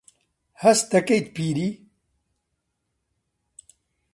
هەست دەکەیت پیری؟